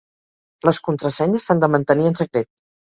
Les contrasenyes s'han de mantenir en secret.